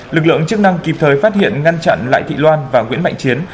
lực lượng chức năng kịp thời phát hiện ngăn chặn lại thị loan và nguyễn mạnh chiến